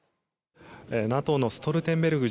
ＮＡＴＯのストルテンベルグ